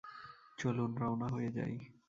চলুন, রওনা হয়ে যাই।